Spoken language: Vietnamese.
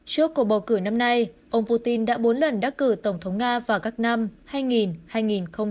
trước cuộc bầu cử năm nay ông putin đã bốn lần đắc cử tổng thống nga vào các năm hai nghìn hai mươi